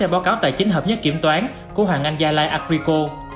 hồ sê báo cáo tài chính hợp nhất kiểm toán của hoàng anh gia lai agrico